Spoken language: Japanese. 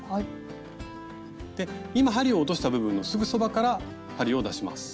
今針を落とした部分のすぐそばから針を出します。